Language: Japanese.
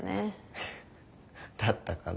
フッだったかな。